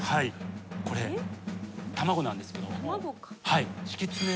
これ卵なんですけど。